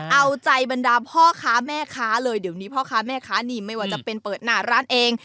เอาใจบรรดาพ่อค้าแม่ค้าเลยเดี๋ยวนี้พ่อค้าแม่ค้านี่ไม่ว่าจะเป็นเปิดหน้าร้านเอง